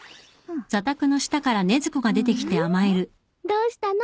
んっどうしたの？